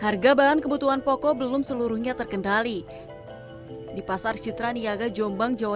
harga bahan kebutuhan pokok belum seluruhnya terkendali di pasar citra niaga jombang jawa